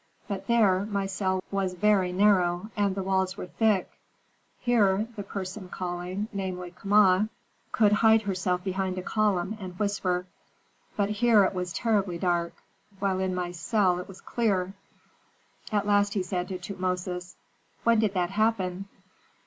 But there my cell was very narrow, and the walls were thick; here the person calling, namely, Kama, could hide herself behind a column and whisper. But here it was terribly dark, while in my cell it was clear." At last he said to Tutmosis, "When did that happen?"